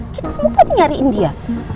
kita semua tadi nyariin dia